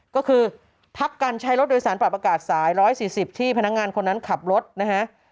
ก็คือทักการใช้รถโดยสารปรับอากาศสาย๑๔๐ที่พนักงานคนนั้นขับรถนะฮะ